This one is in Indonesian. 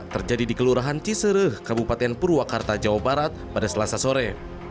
terjadi di kelurahan cisereh kabupaten purwakarta jawa barat pada selasa sore